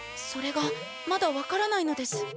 それがまだ分からないのです。